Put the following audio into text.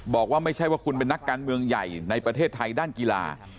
บอกว่าไม่ใช่ว่าคุณเป็นนักการเมืองใหญ่ในประเทศไทยด้านกีฬา